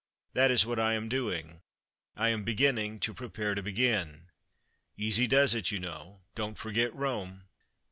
That is what I am doing. I am beginning to prepare to begin. Easy does it, you know. Don't forget Rome."